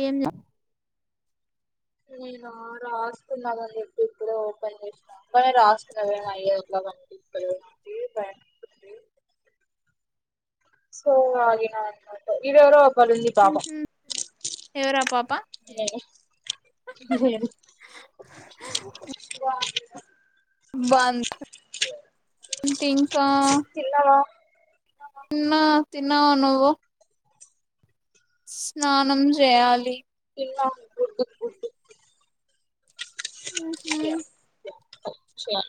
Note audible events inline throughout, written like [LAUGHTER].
ఏం లేద్ నేనా రాసుకుందామని జెప్పి ఇప్పుడే ఓపెన్ చేసినా కనీ రాస్త్ అది అయ్యేలోపు సరిగా కన్పిస్తలేదు స్లో గా ఆగినా అన్నట్టు ఇదేవరో పడింది పాపం ఇగా గుయేరు బంద్ అంటే ఇంకా తిన్నా తిన్నావా నువ్వు స్నానం చేయాలి ఫుడ్ ఫుడ్ మ్మ్ హ్హ్ హో ఇగా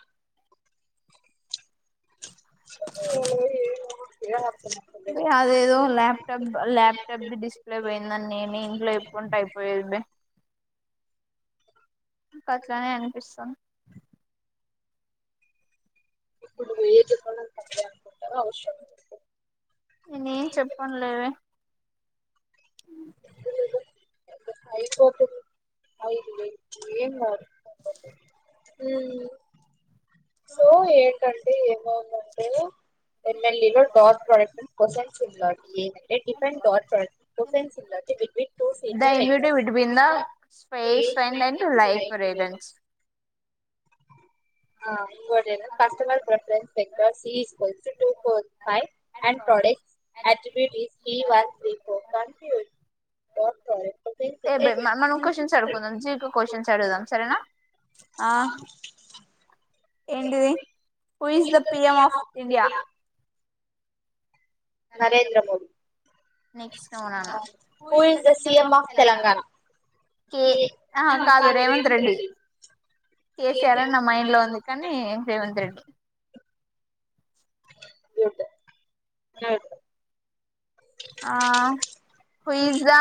ఎనిమిది వేలు ఇగా అదేదో ల్యాప్టాప్ ల్యాప్టాప్ డిస్ప్లే పోయిందని నేనే ఇంట్లో చెప్పుంటే అయిపోయేది ఐపాయే ఇంకా అట్లానే అనిపిస్తుంది నువ్వు చెప్పాలి అని అనుకుంటున్నవో అది అవసరం లేదు నేనేం చెప్పను లేవే అయిపోతది ఐదు వేలు ఏం కాదు మ్మ్ సొ ఏంటంటే ఏమైదంటే ఏం ఎల్ లు లు డాట్ కామ్ క్వశ్చన్స్ ఉన్నాయ్ ఏంటంటే డిఫెన్స్ ఆన్ క్వశ్చన్స్ ఉన్నాయ్ దా ఇన్వెటర్ బెట్టి పోయిందా best friend and like friends ఆ ఇంగో Taylor first like best friend CEC friends two four five and four days ఆటిట్యూట్లీ three one three four one six dot com ఎబే మనం క్వశ్చన్ అడుగుకుందాం GK questions ఆడుగుదాం సరేనా ఆ ఏంటిది who is the PM of India Narendra Modi next నువ్వు నాన్న who is the CM of Telangana ఎ ఆహా కాదు రేవంత్ రెడ్డి కేసీఆర్ అని నా మైండ్ లో ఉంది కానీ రేవంత్ రెడ్డి ఏంటా ఏంటి ఆ who is the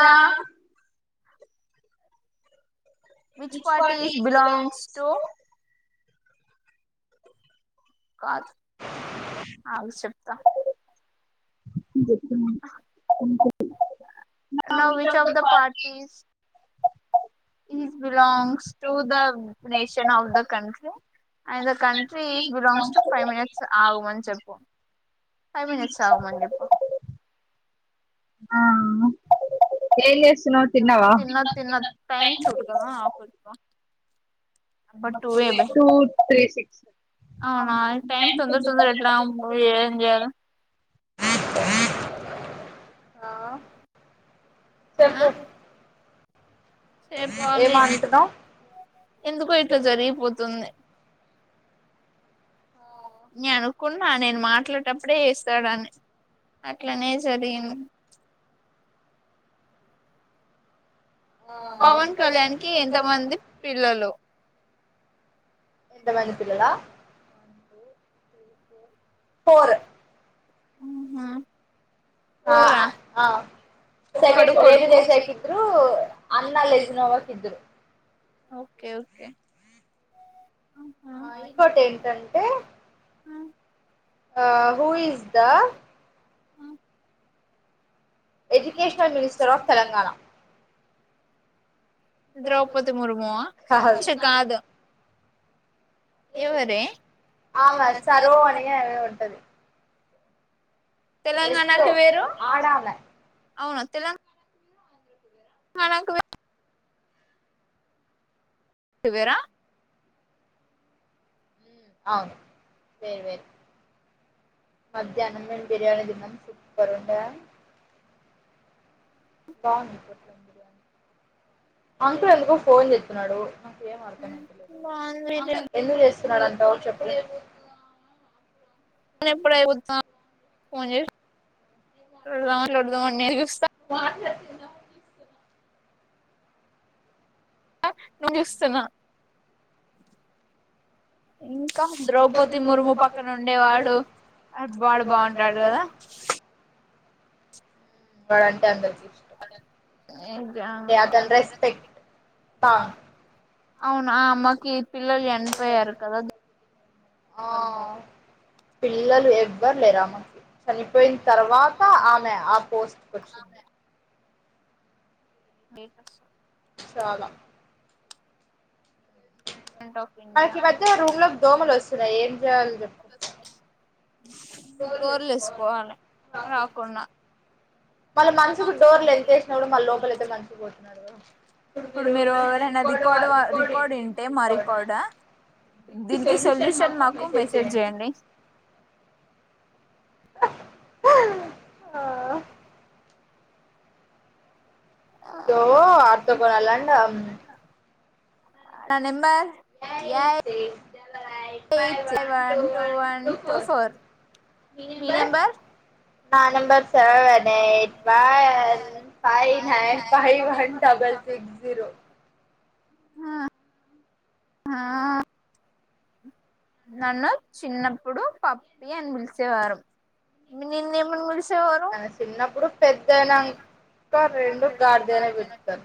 which party is belongs to ఆగు చెప్తా now which of the parties is belongs to the nation of the country and the country is belongs to five minutes ఆగుమని చెప్పు ఫైవ్ మనిట్స్ ఆగుమని చెప్పు ఆహా తిన్న తిన్న time చూడ కదా ఆఫీస్ లో టూ త్రీ సిక్స్ అవునా టైం తొందర తొందర ఎట్లా పోయి ఏం చేయాలి ఆ ఆ ఆ చెప్పు చేప్పాలి ఎందుకో ఇట్లా జరిగిపోతుంది నే అనుకున్నా నేను మాట్లాడేటప్పుడే చేస్తాడాని అట్లనే జరింది పవన్ కళ్యాణ్ కి ఎంత మంది పిల్లలు ఎంత మంది పిల్లల ఫోర్ హుహు ఫోర్ రా [UNINTELLIGIBLE] రేణు దేశాయ్ కి ఇద్దరు అన్న లేజినోవాకి ఇద్దరు ఓకే ఓకే ఆ ఇంకోటి ఏంటిదంటే ఆ who is the educational minister of Telangana Droupadi Murmu చి కాదు ఆమె సరు అని ఏదో ఉంటది తెలంగాణకి వేరు అవును తెల ణనకు వేర్ వేరా అవును వేరు వేరు మధ్యానం మీమ్ బిర్యానీ దినం సూపర్ ఉండే బాగుంది పొట్లం బిర్యానీ అంకుల్ ఎందుకో ఫోన్ చెస్తున్నాడు ఏమ్ అర్థమైతలేదు ఎందుకు చేస్తున్నాడంటావ్ చెప్పు పని ఎప్పుడు అయిపోద్ద ఫోన్ చేసి [UNINTELLIGIBLE] ఇంక [UNINTELLIGIBLE] ఇంక ద్రౌపది ముర్ము పక్కన ఉండేవాడు అ వాడు బాగుంటాడు కదా వాడంటే అందరికి అవునా అమ్మకి పిల్లలు చనిపోయారు కదా మూర్ము పిల్లలు ఎవ్వరు లేరు ఆమెకి చనిపోయిన తర్వాత ఆమె వచ్చింది ఎంజేస్తున్నావ్ చాలా మనకి ఈ మధ్య రూమ్ లో దోమలు వస్తున్నాయి ఏం చేయాలో చెప్పు [UNINTELLIGIBLE] మళ్ళీ మనసుకు డోర్లు ఎంత వేసినా కూడా మళ్ళ లోపల అయితే మర్చి పోతున్నారు గా ఇప్పుడు మీరు ఎవరైనా రికార్డు రికార్డు వింటే మా రికార్డ్ దీనికి సొల్యూషన్ మాకు మెసేజ్ చేయండి ఆ సో ఆర్తో [UNINTELLIGIBLE] నా number eight eight seven two one two four మీ నెంబర్ నా number seven eight one five nine five one double six zero ఆ ఆ నన్ను చిన్నప్పుడు పప్పి అని పిలిసేవారు నిన్నేమని పిలిసే నన్ను చిన్నప్పుడు పెద్దయినాక రెండు గాడిద అనే పిలుస్తారు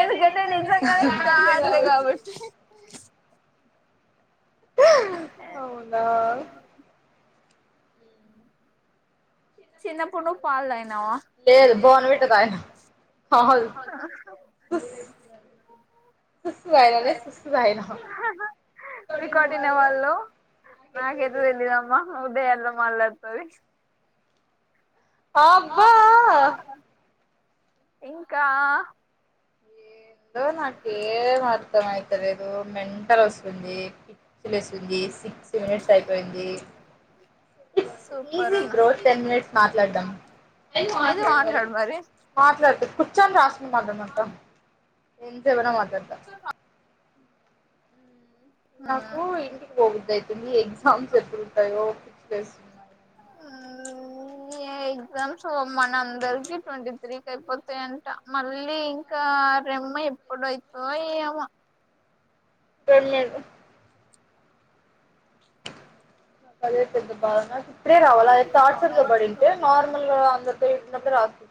ఎందుకంటే నిజంగానే గాడిద కాబట్టి అవునా చిన్న పొడుో పాలల లేదు బోన్ విట్ట కాయనా సస్త రాయనా రే సస్త రానా కడ నాకేతులిినమ్ ఉదయ ఎలా మళతుంది ఆ అబ్బా ఇంకా హలో నాకేం అర్తమ అయితద మంటలు వస్తుంది పిచ్చలు వస్తుంది సిక్స్ మినిట్స్ అయిపోయింది ఈజీ బ్రో టెన్ మినిట్స్ మాట్లాడదాం ఎ మాట్లాడ మరి మాట్లాతు కూర్చం రాస్ిన మా అత్తం ఎం జవనా మ నాకు ఇంటికి పోగుద్ అయితుంది ఎగ్జామ్స్ ఎప్పుడు ఉంటాయో ఫిక్ చేస్తున్నారు అ ఈ ఎగ్జామ్స్ మన అందరికి ట్వంటీ త్రీకి అయిపోతాయంట మళ్ళీ ఇంకా సేమ్మా ఎప్పుడువుతు ఏమ వెళదు ద త ద బారంగా ఇప్పుడే రావాలి అద ట్సగా పడింటే నార్మల్ అందతో ఇనప్పుే రాసింది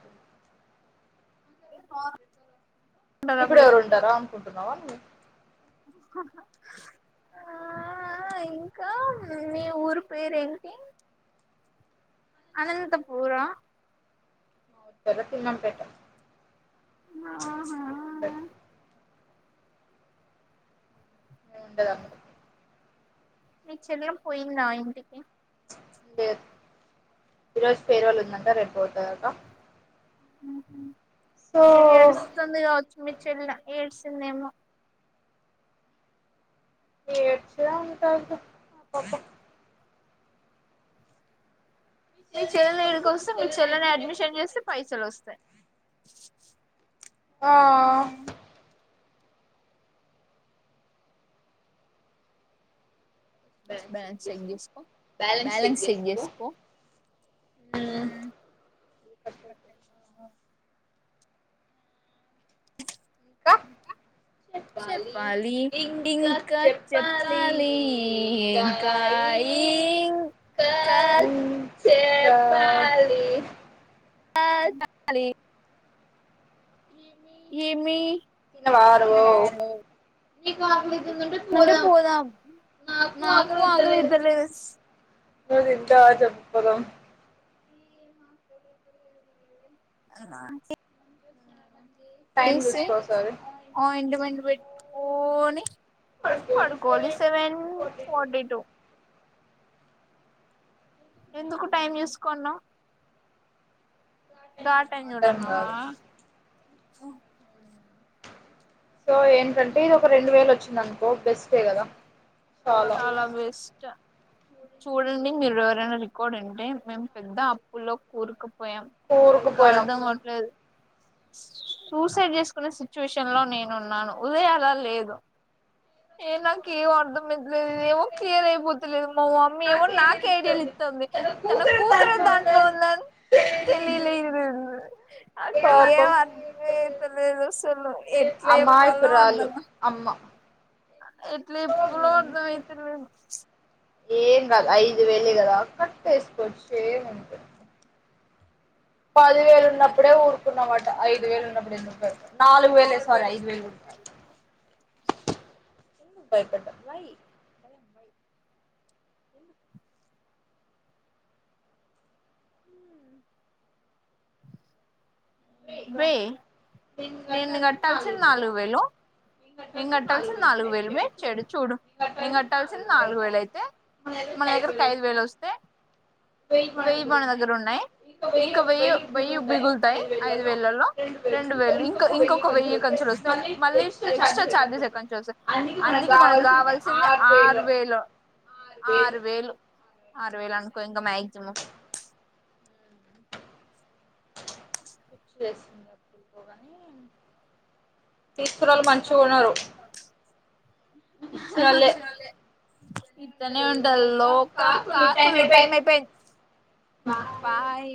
మ ఇప్పుడు ఎవరు ఉంటారా అనుకుంటున్నావావవు ఆ ఇంకా నీ ఊరి పేరు ఏంటి అనంత పూరం తిరున్నంపేట ఆ ఉండదండి నచల పోయిందా ఇంటికి ఈరోజు పేరు వాళ్ళు ఉందంట రెపు అతాాకా ఏడుస్తుంది కావచ్చు మీ చెల్ ఏడు సినిేమ ఏచద ఉటదుప్ప మీ చెల్లెని వడిక వస్తే మీ చెల్లెని అడ్మిషన్ చేస్తే పైసలు వస్తాయి ఆ బాలన్స్ చెక్ చేసుకో బ్యాలన్స్ చెక్ చేసుకో ఇకా చెప్పాలి ఇంకా చెప్పాలి ఇంకా ఇకా సాలి దాాలి ఏమి ఇన్న వాారువ అంటే పోదా నాకు ఆగ ఇద్దల్స్ ఇంత చెప్పప్పదం అ సే ఇండిపెండెట్కోని పడుకోవాలి సెవెన్ ఫోటీ టూ ఎందుకు టైం తీసుకున్నా దా టైం చూడన్నవా సో ఏంటంటే ఒక రెండు వేలు వచ్చిందనుకో బెస్టే కదా చాలా బెస్ట్ చూడండి మీరు ఎవరైనా రికార్డు ఇంటే మేము పెద్ద అప్పుల్లో కూరుక్ పోయాం నాక్ అర్థం అవ్వట్లేద్ సూసైడ్ చేసుకునే సిచ్యువేషన్ లో నేను ఉన్నాను ఉదయ అలా లేదు ఏ నాకి ఏం అర్ధం ఏమో క్లియర్ అయిపోతులేదు మా మమ్మీ ఏమో నాకే ఐడియాలు ఇత్తోంది తన కూతుర దాం ట్లో ఉందని తెలిలేదు నాకి ఏం అర్ధం అయితలేదు అసలు ఎట్లా చెప్పాలనో అర్థం కాలే ఎట్ల చెప్పాలో అర్థం అయితలేదు ఏం కాదు ఐదు వేలే కదా కట్టేసుకోవచ్చు ఏమ పది వేలు ఉన్నప్పుడే ఊరుకున్న అట ఐదు వేలు ఉన్నప్పుడు ఎందుకు నాలుగు వేలే సారీ ఐదు వేలు కూడ కాదు భయపడ్డ వై వే నేను కట్టాల్సింది నాలుగు వేలు నేను కట్టాల్సింది నాలుగు వేలు మే చెడు చూడు నేను కట్టాల్సింది నాలుగు వేలు అయితే మన దగ్గరకి ఐదు వేలు వస్తే వెయ్యి మన దగ్గర ఉన్నాయి ఇంకా వెయ్యి వెయ్యి మిగులుతాయ్ ఐదు వేలల్లో రెండు వేలు ఇంకా ఇంకొక వెయ్యి ఎక్కడినుంచి వస్తాయి మళ్ళీ ఎక్స్ట్రా ఛార్జెస్ ఎక్కడినుంచి అందుకే మనకు కావాల్సింది ఆరు వేలు ఆరు వేలు ఆరు వేలు అనుకో ఇంక మాక్సిమం పిచ్చి లేసింది [UNINTELLIGIBLE] గాని తీసుకున్నోళ్ళు మంచిగ ఉన్నారు ఇచ్చినోల్లే ఇట్లనే ఉంటది లోకం కాకులు టైం అయిపోయింది బాయ్